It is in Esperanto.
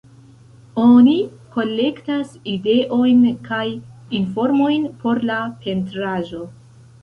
Oni kolektas ideojn kaj informojn por la pentraĵo.